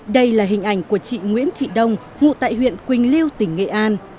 đây là hình ảnh của chị nguyễn thị đông ngụ tại huyện quỳnh lưu tỉnh nghệ an